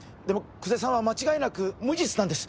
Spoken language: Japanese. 久世さんは間違いなく無実なんです